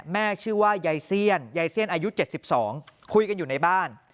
ชื่อว่ายายเซียนยายเซียนอายุ๗๒คุยกันอยู่ในบ้าน